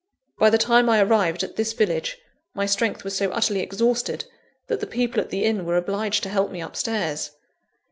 By the time I arrived at this village, my strength was so utterly exhausted, that the people at the inn were obliged to help me upstairs.